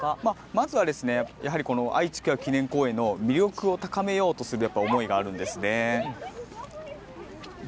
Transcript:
まずは愛・地球博記念公園の魅力を高めようとする思いがあるんですね。